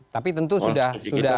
tapi tentu sudah